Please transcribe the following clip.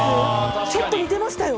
ちょっと似てましたよ。